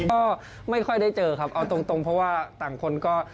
ก็ไม่ค่อยได้เจอครับเอาตรงเพราะว่าต่างคนก็